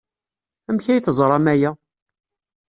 Amek ay teẓram aya?